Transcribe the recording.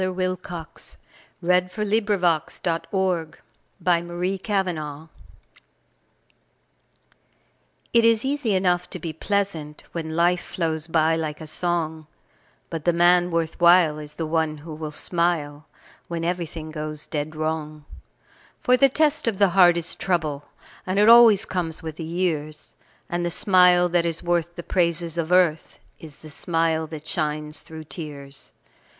122040Poems of Cheer — Worth while1914Ella Wheeler Wilcox It is easy enough to be pleasant When life flows by like a song, But the man worth while is the one who will smile When everything goes dead wrong. For the test of the heart is trouble, And it always comes with the years, And the smile that is worth the praises of earth Is the smile that shines through tears.